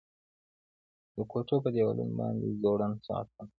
د کوټو په دیوالونو باندې ځوړند ساعتونه